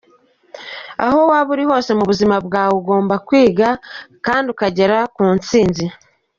Aho waba uri hose mu buzima bwawe, ugomba gukomeza kwiga kandi uzagera ku ntsinzi.